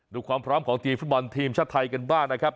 ดูความพร้อมของทีมฟุตบอลทีมชาติไทยกันบ้างนะครับ